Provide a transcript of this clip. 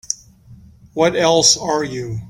What else are you?